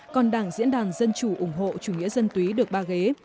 còn đảng diễn đàn dân chủ ủng hộ chủ nghĩa dân túy được ba ghế